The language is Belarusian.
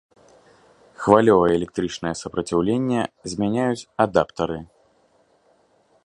Хвалевае электрычнае супраціўленне змяняюць адаптары.